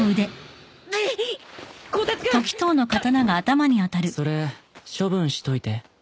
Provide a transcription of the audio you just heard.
それ処分しといて。